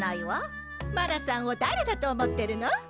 マナさんをだれだと思ってるの？